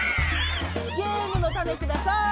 ゲームのタネください。